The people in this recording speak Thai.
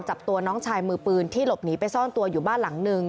จับตัวน้องชายมือปืนที่หลบหนีไปซ่อนตัวอยู่บ้านหลังหนึ่ง